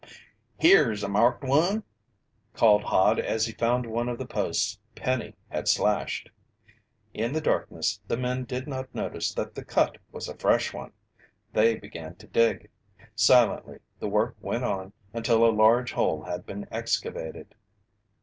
"Here's a marked one!" called Hod as he found one of the posts Penny had slashed. In the darkness the men did not notice that the cut was a fresh one. They began to dig. Silently the work went on until a large hole had been excavated.